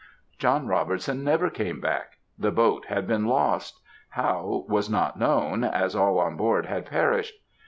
"John Robertson never came back; the boat had been lost how, was not known, as all on board had perished.